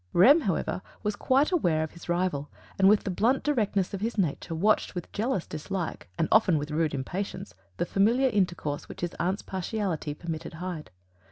Rem, however, was quite aware of his rival, and with the blunt directness of his nature watched with jealous dislike, and often with rude impatience, the familiar intercourse which his aunt's partiality permitted Hyde.